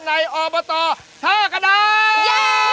ในอบตท่าขนาด